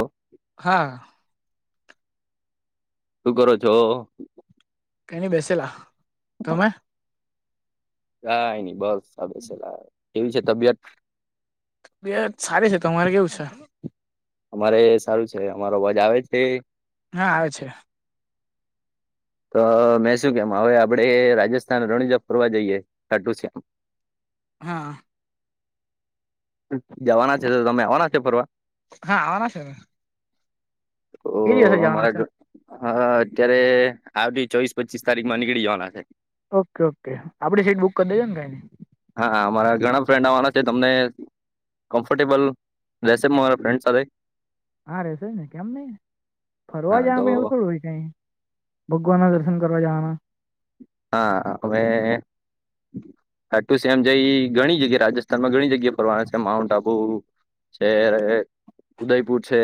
શું હા. શું કરો છો? કંઈકની બેસેલા. તમે? કઈ નઈ બસ બેસેલા. કેવી છે તબિયત? તબિયત સારી છે. તમારે કેવું છે? અમારે સારું છે. અમારો અવાજ આવે છે? હા, આવે છે. તો મેં શું કેમ, હવે આપડે રાજસ્થાન રણજપ ફરવા જઈએ, ખાટું શ્યામ. હા. જવાના છે, તો તમે આવાના છે ફરવા. હા, આવાના છેને. તો જવાના છે અમારા હ અત્યારે આવતી ચોવીસ પચીસ તારીખ માં નીકળી જવાના છે. Okay, okay. આપડી સીટ બુક કરી દેજો ને, કાઈને. હા, હા. મારા ઘણા ફ્રેન્ડ આવવાના છે તમને કમ્ફર્ટેબલ રહેશે, મારા ફ્રેન્ડ સાથે. હા રેહશે ને કેમ નહી ફરવા હા તો જવામાં એવું થોડું હોય કઈ ભગવાન ના દર્શન કરવા જવાના હા હવે ખાટુ શ્યામ જેવી ઘણી જગ્યા રાજસ્થાનમાં ઘણી જગ્યા. ફરવા છે માઉન્ટ આબુ છે ઉદયપુર છે.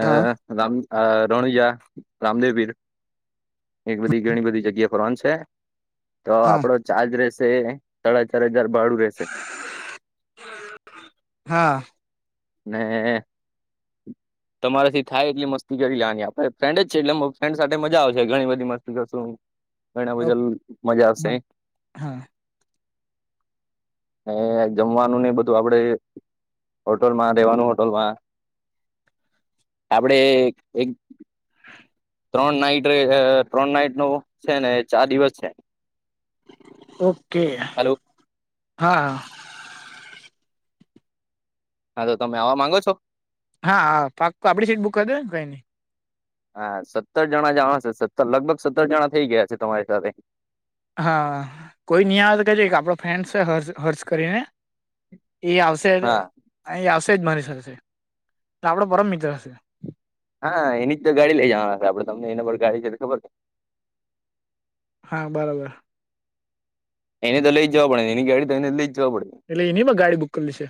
અ હા રામ આ રણુજા રામદેવીર એક બધી ઘણી બધી જગ્યા એ ફરવાનું છે તો હા આપડો ચાર્જ રહેશે સાડા ચાર હજાર ભાડું રહેશે હા ને તમારા થી થાય એટલી મસ્તી કરી લેવાની આપડે ફ્રેન્ડ જ છે એટલે ફ્રેન્ડ સાથે મજા આવશે ઘણી બધી મસ્તી કરશું ઘણા ઓ બધા મજા આવશે હા હા એ જમવાનું ને બધું આપડે હોલમાં રહેેવાનું હોટલમાં આપડે એક ત્રણ નાઈટ ત્રણ નાઈટ નો છે ને ચાર દિવસ છે. ઓકે હાલો હા હા. હા તો તમે આવા માંગો છો. હા હ પાક આપડી સીટ બુક કરી દેજો કઈ નઈ હા સત્તર જણા જવાના સત્તર લગભગ સત્તર જણા થઇ ગયા છે, તમારી સાથે હા કોઈ નહી આવે તો કેજ આપડો ફ્રેન્ડ છે, હર્ હર્ષ કરીને એ આવશે હા અહીં આવશે જ મારી શશે આપડો પરમ મિત્ર હશે હા એની જ તો ગાડી લઈ જવાના છે આપડે તમને એના પર ગાડી છે તો ખબર છે. હા, બરાબર એને તો લઈ જવા પડે, એની ગાડી તો એને લઈ જવા પ એટલે એની પણ ગાડી બુક કરેલી છે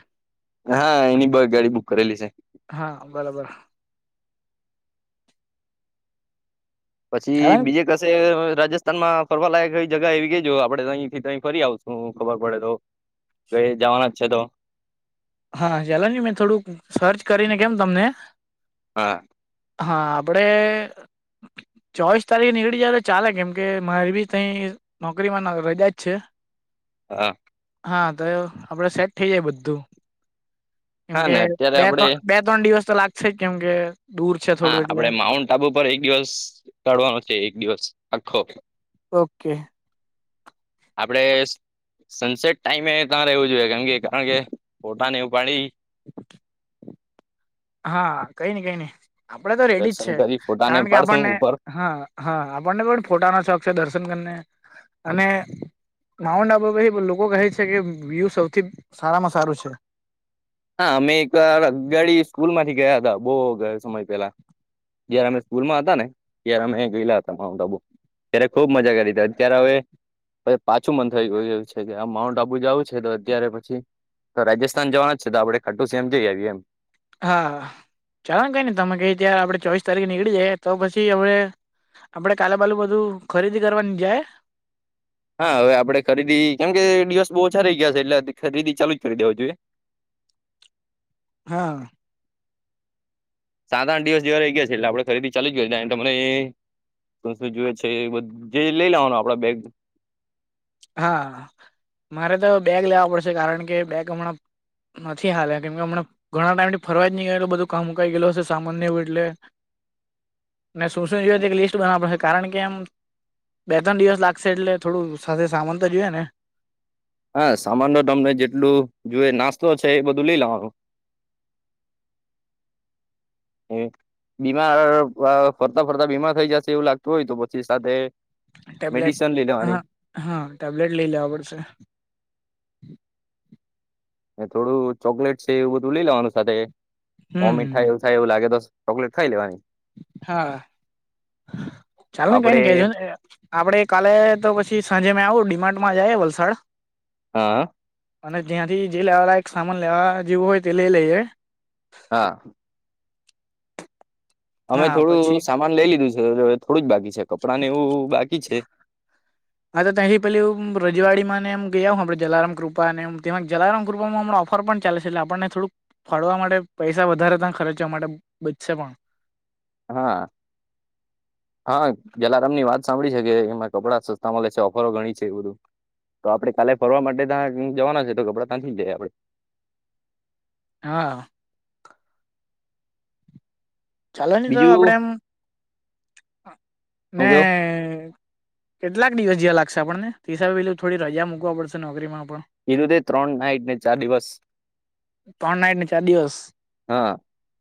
હા, એની બી ગાડી બુક કરેલી છે. હા, બરાબર પછી, કારણ બીજે રાજસ્થાનમાં ફરવાલાાયક જગ્યા આવી ગઈ, જે આપણે આથી ત ફરી આવશું ખબર પડે તો કઈ જવાના જ છે. તો હા, ચાલોને મેં થોડુંક સર્ચ કરીને કેમ તમને. હા હા, આપણેે ચોવીસ તારીખે નીકળી જાય તો ચાલે કેમ કે મારે બી તઈ નોકરીમાં રજા જ છે. હા હા, તો એ આપણે સેટ થઈ જાય બધું કેમ હા કે ને અત્યારે આપડે બે-ત્રણ, બે-ત્રણ દિવસ તો લાગશે જ કેમકે દૂર છે હા, થોડું એટલે આપણે માઉન્ટ આબુ પર એક દિવસ ચડવાનો છે, એક દિવસ આખો ઓકે આપણે સનસેટ ટાઈમે એ તમારે એવું જોઈએ, કેમ કે કારણ કે પોટાને પાડી [inaudible] હા, કઈ નઈ, કઈ નઈ આપણે તો રેડી જ દર્શન છે. કરી ફોટાને કારણ કે પાડશું આપણને, ઉપર હા. હા, આપણને પણ ફોટાનો શોખ છે, દર્શન કરીને અને માઉન્ટ આબુ લોકો કહે છે, કે વ્યુ સૌથી સારામાં સારું છે. હા, અમે એક ગાડી સ્કૂલમાંથી ગયા હતા બો સમય પેલા જયારે અમે સ્કૂલમાં હતા, ને ત્યારે અમે ગયેલા હતા માઉન્ટ આબુ ત્યારે ખુબ મજા કરી હતી ત્યારે હવે પાછું મન થઈ ગયું છે કે આ માઉન્ટ આબુ જવું છે. તો અત્યારે પછી તો રાજસ્થાન જવાના જ છે, તો આપણે ટૂંક સમયમાં જઈ આવીએ એમ. હા, ચાલો ને કઈ નહી તમે ક ત્યારે આપણે ચોવીસ તારીખ નીકળી જાય તો પછી આપણે આપણે કાલે બાલે બધું ખરીદી કરવાની જાય. હા, હવે આપણે ખરીદી કેમ કે દિવસ બહુ ઓછા રહી ગયા છે એટલે ખરીદી ચાલુ જ કરી દેવા જોઈએ. હા. સાત-આઠ દિવસ [unintelligible] રહી ગયા છે, એટલે આપણે ખરીદી ચાલુ જ કરી તમે એ શું-શું જોએ છે, એ બધું જે લઈ લાવવાનું આપણા બેગ. હા, મારે તો બેગ લેવા પડશે કારણ કે બેગ હમણાં નથી, હાલે કેમ કે હમણાં ઘણા ટાઈમથી ફરવા જ નહી એટલે બધું કામ મુકાઈ ગયેલું હશે સામાન એટલે ને શું-શું જોઈએ તો એક લિસ્ટ બનવવા પડશે કારણ કે એમ બે-ત્રણ દિવસ લાગશે એટલે થોડું સાથે સામાન તો જોઈએ ને. હા સામાન તમને જેટલું જોઇએ નાસ્તો છે એ બધું લઈ લેવાનું. બીમાર, ફરતા-ફરતા બીમાર થઈ જશે એવું લાગતું હોય તો પછી સાથે ટેબ્લેટ, મેડિસન લઈ લેવાની હા, હા ટેબ્લેટ લઈ લેવા પડશે. ને થોડું ચોકલેટ છે, એવું બધું લઈ લેવાનું સાથે વોમિટ હમ થાય એવુ ખાય એવું લાગે તોસ ચોકલેટ ખાઈ લેવાની હા, તો ચાલ ને કઈ આપડે નહી કેહેજો ને એ આપડે કાલે તો પછી સાંજે મે આવું ડી માટ માં જાયે વલસાડ. હા. અને જ્યાંથી જે લેવા લાયક એક સામાન લેવા જેવું હોય તે લઈ લઈએે. હા. અમે હા થોડું પછી સામાન લઈ લીધું છે અવે થોડું જ બાકી છે, કપડાં ને એવું બાકી છે. હા, તો ત્યાંથી પેલી હ રજવાડી ને એમ ગયા હું આપે જલારામ કૃપાને જલારામ કૃપામાં હમણા ઓ ફર પણ ચાલે છે એટલે આપણને થોડુંક ફાળવા માટે પૈસા વધારે ત ખર્ચવા માટે બચશે પણ. હા. હા, જલારામ ની વાત સાંભળી છે કે એમાં કપડા સસ્તા મળે છે ઓફરો ઘણી છે એ બધું. તો આપડે કાલે ફરવા માટે ત્યાં જવાના છે તો કપડાં ત્યાંથી જાય આપડે. હા. ચાલો નહી તો આપડે બીજું એમ હું કયો મેં કેટલાક દિવસ જ્યાં લાગશે આપણને ફથીસા પેલું થોડી રજા મૂકવા પડશે નોકરીમાં પણ. એઘુ દે ત્રણ નાઈટ ને ચાર દિવસ. ત્રણ નાઈટ ને ચાર દિવસ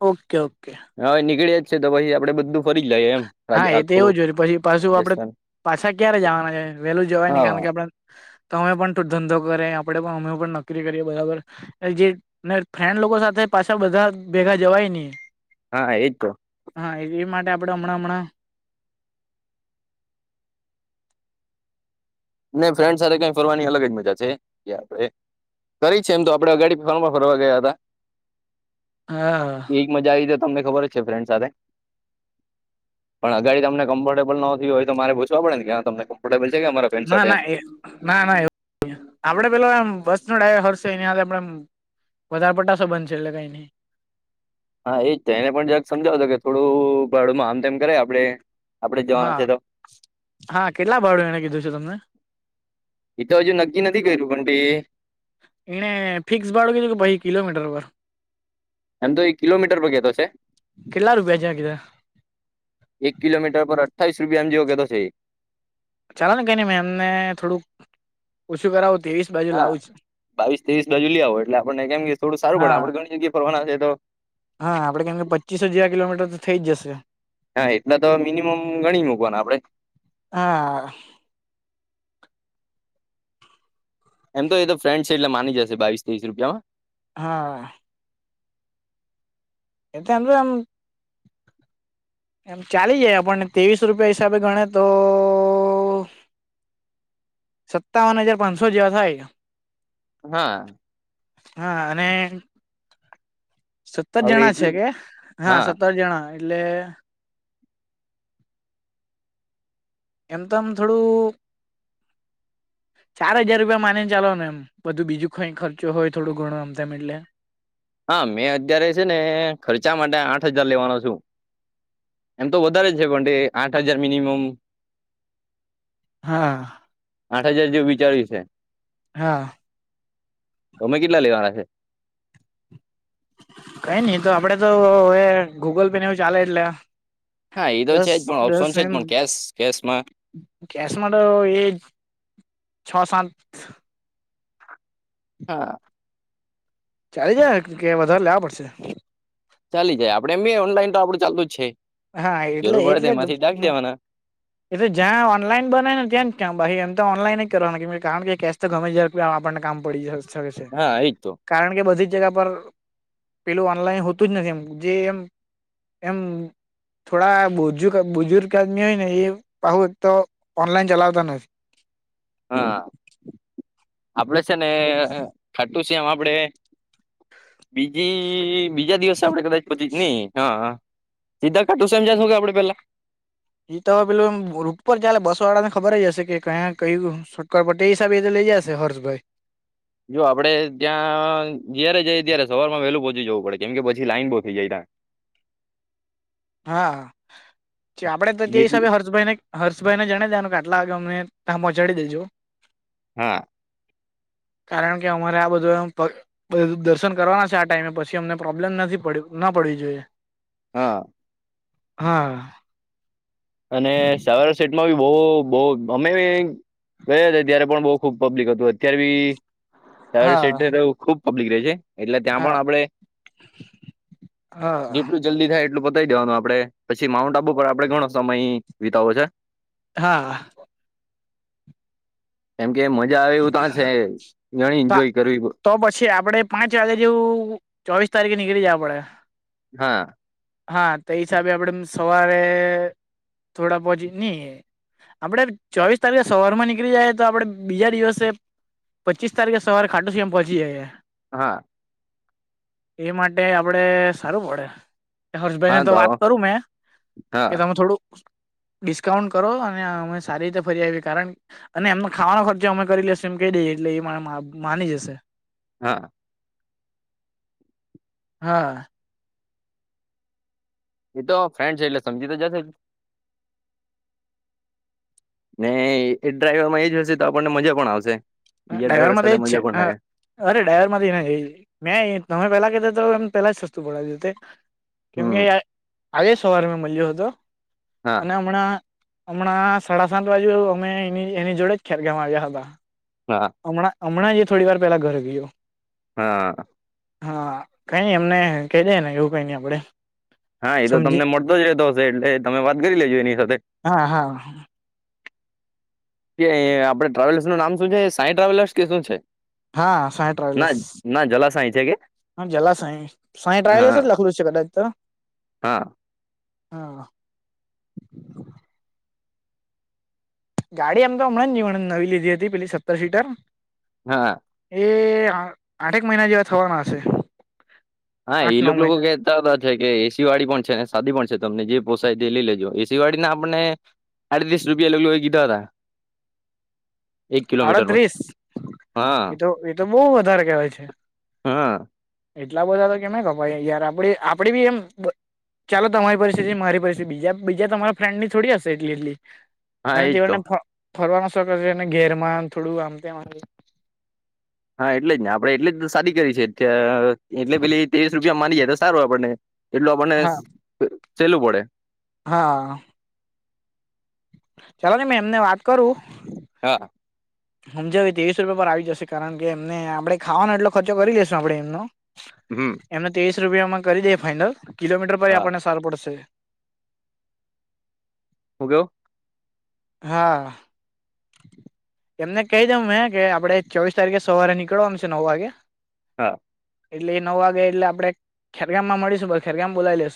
ઓકે ઓકે. હા, નીકળે જ છે તો પછી આપડે બધું ફરી જ લઈએ એમ રાજ- હા, એ તો આખું એવું જો હોય છે પછી પાછું આપડે રાજસ્થાન પાછા ક્યારે જવાના છે વેલું જવાય ન હા કારણ કે આપડે તો અમે પણ ધંધો કરે આપણે પણ અમે પણ નકરી કરીએ બરાબર. જે ફ્રેન્ડ લોકો સાથે પાછળ બધા ભેગા જવાય નહી. હા એતો. હા એ માટે આપડ હમણાં હમણાં નને ફ્રેન્ડ સાથે કઈ ફરવાની અલગ જ મજા છે, આપડે કરી છે એમ તો આપડે અગાડી ફરમાં ફરવા ગયા હતા. હા. એ મજા આવી ગ તો તમને ખબર જ છે ફ્રેન્ડ સાથે. પણ આગાડી તનેમફર્ટેબલ નોતી હોય તો મારે પૂછવા પડેને કે તમ્ફર્ટેબલ છે કે મારા ના ના એ ના ના એવું આપડે પેલો એમ બસ નો ડ્રાઈવર છે એની આપડે વધારપટાસ બનશેલે કઈ નહી. હા એજ એને પણ જક સમજાવતો કે થોડું ભાડુંમાં આમ તેમ કરે આપડે આપડે જવાના હા છે તો હા કેટલા ભાડું એને કીધું છે તમને એ તો હજુ નક્કી નથી કર્યું પણ તે એ ફિક્સ બાળુ કે જો કે પછ કિલોમીટર ઉપર? એમ તો એ કિલોમીટર પર કેતો છે. કેટલા રૂપિયા છે કીધા એક કિલોમીટર પર અઠ્ઠીસ રૂપિયા એમ જેવો કતો છે. ચાલો ને કઈ ન મેં અમને થોડુંક ઓછું કરાવું તેવી હા બાવીસ ત્રેવીસ બાજુ લે આવો એટલે આપણને કેમ કે થોડું સારું પડે હા આપણે ઘણી જગ્યાએ ફરવાના છે તો હા આપડે કેમ કે પચીસ હજાર કિલોમીટર તો થઈ જશે હા એટલા તો મિનિમમ ઘણી મૂકવાના આપણેે હા એમ તો એ તો ફ્રેડ છે એટલે માની જશે બાવીસ ત્રેવીસ રૂપિયામાં હા એ તંત આમ એમ ચાલી જાય આપણને ત્રેવીસ રૂપિયા હિસાબે ગણે તો સત્તાવન હજાર પાંચસો જેવા થાય હા હા અને સત્તર હવે જણા છે એટલું કે હા સત્તર જણા એટલે એમ તો આમ થોડું [inaudible] ચાર હજાર રૂપિયા માને ચાલો ને એમ બધું બીજું કંઈ ખર્ચો હોય થોડો ઘણો આમ તેમમ એટલે હા મેં અત્યારે છે ને ખર્ચા માટે આઠ હજાર લેવાનો છું એંત વદારે સપડી આઠ હજાર મિનીમમ હા આઠ હજાર જેવું વિચાર્યું છે હા તો અમે કેટલા લેવાના છે કઈ નઈ તો આપડે તો એ ગૂગલ પે ને એવું ચાલે એટલે હા એ તો દસ છે જ પણ ઓપ્શન છે જ પણ કેશ કેશ માં ગસ માટે તો એ છ સાત હા ચાલી જ કે વધારે લેવા પડશે ચાલી જાય આપડે એ ઓનલાઈન તો આપડું ચાલતું જ છે હા એટલે જરૂર પડે તો એટલે એમાંથી નાખી દેવાના એ તો જ્યાં ઓનલાઈન બને ને ત્યાં ભાઈ એમ તો ઓનલાઈન કરો કારણ કે તો ગમે જ્યારે આપણને કામ પડી શકે છે હા એજ તો કારણ કે બધી જ જગ્યા પર પેલું ઓનલાઈન હોતું જ નથી એમ જે એમ એમ થોડા બુજુર્ગ આદમી હોય ને એ બાહુ તો ઓનલાઈન ચલાવતા નથી હા આપડે છે ને શમ આપડે બીજી બીજા દિવસે આપડે કદાચ પછી નઈ હા સીધા ખાટું સમજશો કેડે પેલા એ તો હવે પેલું રૂટ પર ચ બસો વાળા ને ખબર જ હશે કે કયા કય છટક એ હિસાબે એ લઈ જશે હર્ષભાઈ જો આપડે ત્યાં જયારે જઈએ ત્યારે સવાર માં વેહેલું પહોંચી જવું પડે કેમ કે પછી લાઈન બહુ થઈ જાય ત [inaudible] હા આપડે તો તે જેટલું હિસાબે હર્ષભાઈ ને હર્ષભાઈને જણ દ્યા કે આટલાગ અમને ત્યાં પહોંચાડી દેજો હા કારણ કે અમારે આ બધું એ દર્શન કરવાના છે આ ટાઈમે પછી અમને પ્રોબ્લેમ નથીડ ના પડવી જોઈએ હા હા અને સાવાર સેટમાં બી બહ બહ અમે ગ તત્યારે પણ બહ ખુબ પબ્લિક હતું અતાર બી સ હા તો ખુબ પબ્લિક ર છે એટલે ત્યાં હા પણ આપડે હા જેટલું જલ્દી થાય એટલું બતાય દેવાનું આપડે પછી માઉન્ટ આબુ પર આપડે ઘણો સમય વિતાવો છે હા કેમ કે મજા આવે એવું ક્યાં છે ઘણી એન્જોય કરવી તો પછી આપડે પાંચ વાગે જેવું ચોવીસ તારીખે નીકળી જ આપડે હા હા તે હિસાબે આપડે સવારે થોડા પહચ નહીએ આપડે ચોવીસ તારીખે સવાર માં નીકળી જાય તો આપડે બીજા દિવસે પચીસ તારીખે સવારે ખાટુસીમ પહોંચી જાય હા એ માટે આપડે સારું પડે હર્ષભાઈને તો વાત કરું મેં કે હા તમે થોડું ડિસ્કાઉન્ટ કરો અને અમે સારી રીતે ફરી આવી કારણ અને એમનો ખાવાનો ખર્ચ અમે કરી લશું એમ કહી દઈએ એટલે એ મા માની જશે હા હા એ તો ફ્રેન્ડ છે એટલે સમજી તો જશે ને એ ડ્રાઈવર માં એ જ હશે તો આપણને મજા પણ આવશે બીજા ડ્રાઈવર ડ્રાઈવરમાં જ સાથે છે મજા પણ હ આવે અરે ડ્રાઈવર માંથી મેં તમે પેલા કધ તો એ પેલા જ સસ્તું પડાવ્યુંતે કેમકે હમ આજે સવારે મેં મળ્યો હતો હા અને હમણાં હમણાં સાડા સાત બાજુ અમે એ એની જોડે જ ખેદ ગવા ગયા હતા હા હા હમણાં હમણાં થોડી વાર પેલા ઘરે ગયો હા હા કઈ નઈ એમને ક દે ને એવું કઈ નઈ આપડે હા એ તો સમજી તમને મળતો જ રહેતો હશે એટલે તમે વાત કરી લેજો એની સાથે હા હા કે આપણે ટ્રાવેલ્સ નું નામ શું છે સાં ટ્રાવેલર્સ કે શું છે હા સાોયા ના ટ્રાવેલસ ના જલા સાય છે કે હા જલા સાઈ સાઈ ટ્રાવલસ હા જ લખલુ છે કટ તો હા હા ગાડી એમ તો હમણાં નવી લીધી હતી પેલી સત્તર સીટર હા એ આઠક મહિના જેવા થવાના હશે હા એ આઠ નવ લોકો લોકો મહિના કે કે એસી વાળી પણ છે ને સાદી પણ છે તમને જે પોસાય તે લઈ લેજો એસી વાડીને આપને સાડ ત્રીસ રૂપિયા લગલ કીધા હતા એક કિલોમીટર પર હા એતો એતો બહવ વધારે કવાય છે હમ એટલા બધા તો કેમે ખબર યાર આપણે આપણે બી એમ ચાલો તમારી પરિસ્થિ મારી પરિસ્િતિ બીજા બીજા તમારા ફ્રેન્ડની થોડી હશે એટલી એટલી હા અને એજ તો તેઓને ફરવાનું શખ છે અને ઘેર માં થોડું આમતે હા એટલે જ ને આપડે એટલે જ સાદી કરી છે એટલે પેલી તવીસ રૂપ મારી યા તો સારું આપણને એટલું આપણને હા સહેલું પડે હા ચાલો ને મે એમને વાત કરું. હા સમજાવ ત્રેવીસ રૂપિયા પર આવી જશે કારણ કે એમને આપણે ખાવાનો એટલો ખર્ચો કરી લેશું આપણે એમનો હમ એમને ત્રેવીસ રૂપિયામાં કરી દે ફાાઈનલ કિલોમીટર પર હા આપણને સારું પડશે હ કયો? હા. એમને કહી દઉં હે કે આપડે ચોવીસ તારીખે સવારે નીકળવામશે નવ વાગે. હા. એટલે એ નવ વાગે એટલે આપે ખેરગામ માં મળીશું ખેરગામ બોલાઈ લઈેશું.